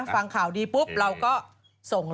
ฟังข่าวดีปุ๊บเราก็ส่ง